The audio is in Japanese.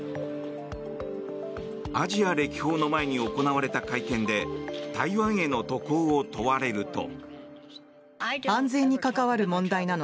アジア歴訪の前に行われた会見で台湾への渡航を問われると。